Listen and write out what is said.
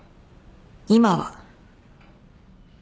今は。